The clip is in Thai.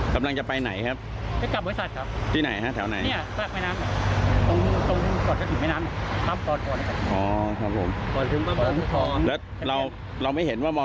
กำลังจะไปไหนครับ